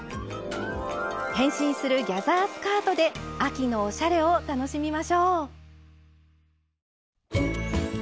変身するギャザースカートで秋のおしゃれを楽しみましょう。